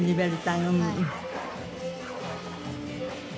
うん。